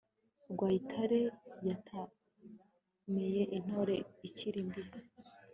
rwayitare yatamiye intore ikiri mbisi